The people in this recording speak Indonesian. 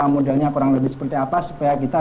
modelnya kurang lebih seperti apa supaya kita